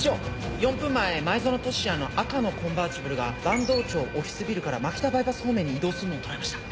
４分前前薗俊哉の赤のコンバーティブルが坂東町オフィスビルから蒔田バイパス方面に移動するのを捉えました。